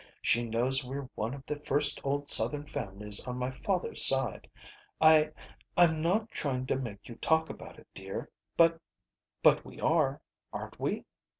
She knows we're one of the first old Southern families on my father's side. I I'm not trying to make you talk about it, dear, but but we are aren't we?"